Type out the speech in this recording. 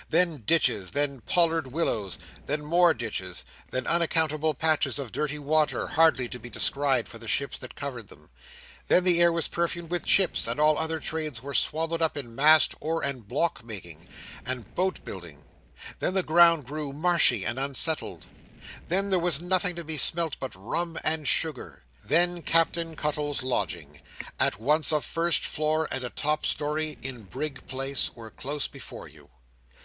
Then, ditches. Then, pollard willows. Then, more ditches. Then, unaccountable patches of dirty water, hardly to be descried, for the ships that covered them. Then, the air was perfumed with chips; and all other trades were swallowed up in mast, oar, and block making, and boatbuilding. Then, the ground grew marshy and unsettled. Then, there was nothing to be smelt but rum and sugar. Then, Captain Cuttle's lodgings—at once a first floor and a top storey, in Brig Place—were close before you.